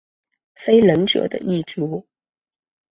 非人者的一族。